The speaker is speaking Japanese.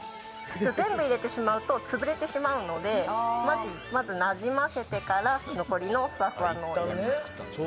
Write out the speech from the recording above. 全部入れてしまうと潰れてしまうのでまずなじませてから残りのふわふわの。